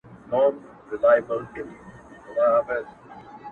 لكه برېښنا~